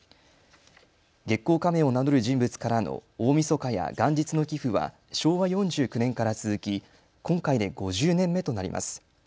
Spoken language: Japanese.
月光仮面を名乗る人物からの大みそかや元日の寄付は昭和４９年から続き今回で５０年目となります。